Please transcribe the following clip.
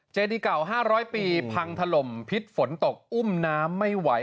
เจดีเก่า๕๐๐ปีพังถล่มพิษฝนตกอุ้มน้ำไม่ไหว